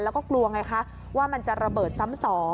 แล้วก็กลัวว่ามันจะระเบิดซ้ำ๒